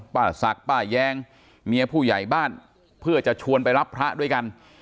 ป้าศักดิ์ป้าแยงเมียผู้ใหญ่บ้านเพื่อจะชวนไปรับพระด้วยกัน